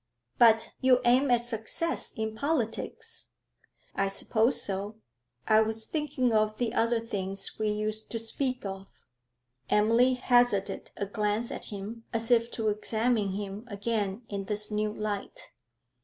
'But you aim at success in politics?' 'I suppose so. I was thinking of the other things we used to speak of.' Emily hazarded a glance at him, as if to examine him again in this new light.